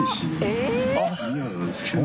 えっ。